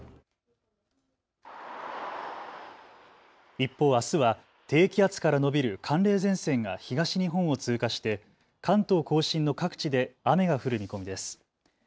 一方、あすは低気圧から延びる寒冷前線が東日本を通過して関東甲信の各地で雨が降る見込みです。